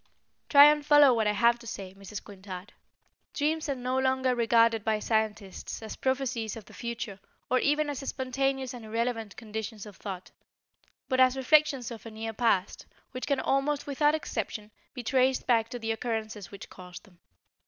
Try and follow what I have to say, Mrs. Quintard. Dreams are no longer regarded by scientists as prophecies of the future or even as spontaneous and irrelevant conditions of thought, but as reflections of a near past, which can almost without exception be traced back to the occurrences which caused them.